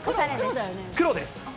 黒です。